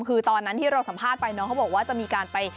คือตอนนั้นที่เราสัมภาษณ์ไปน้องเขาบอกว่าจะมีการไป